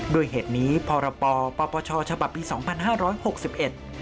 ด้วยเหตุนี้พรปปชฉบับปีสองพันห้าร้อยหกสิบเอ็ด